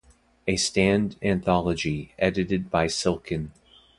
A "Stand" anthology, edited by Silkin.